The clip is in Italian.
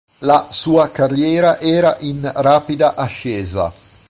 La sua carriera era in rapida ascesa.